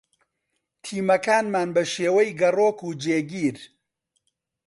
تیمەکانمان بە شێوەی گەڕۆک و جێگیر